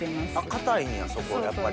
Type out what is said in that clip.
硬いんやそこやっぱり。